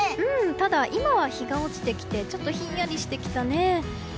ただ、今は日が落ちてきてちょっとひんやりしてきたね。